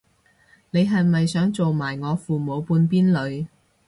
你係咪想做埋我父母半邊女